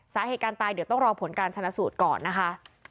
สาเหตุการตายเดี๋ยวต้องรอผลการชนะสูตรก่อนนะคะ